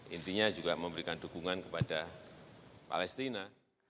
intinya juga memberikan dukungan kepada palestina